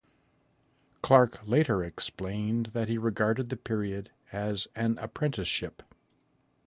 Clarke later explained that he regarded the period "as an apprenticeship".